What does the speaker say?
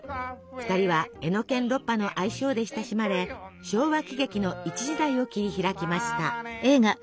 ２人はエノケン・ロッパの愛称で親しまれ昭和喜劇の一時代を切り開きました。